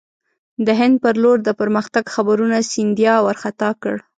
د هند پر لور د پرمختګ خبرونو سیندیا وارخطا کړ.